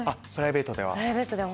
プライベートでは。